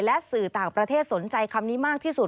และสื่อต่างประเทศสนใจคำนี้มากที่สุด